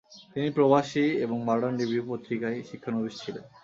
তিনি প্রবাসী এবং মডার্ন রিভিউ পত্রিকায় শিক্ষানবিশ ছিলেন ।